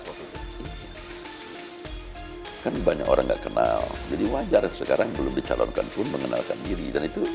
hai kan banyak orang gak kenal jadi wajar sekarang belum dicalonkan pun mengenalkan diri dan itu